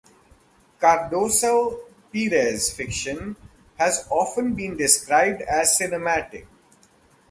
Cardoso Pires's fiction has often been described as cinematic.